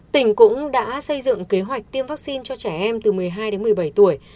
tỉnh cũng đã xây dựng kế hoạch tiêm vaccine cho trẻ em từ một mươi hai đến một mươi bảy tuổi